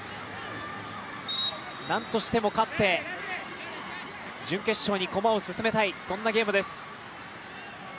なんとしても勝って準決勝に駒を進めたい、そんなゲームです。